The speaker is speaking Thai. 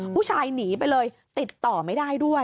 ผู้ชายหนีไปเลยติดต่อไม่ได้ด้วย